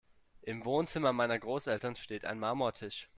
Im Wohnzimmer meiner Großeltern steht ein Marmortisch.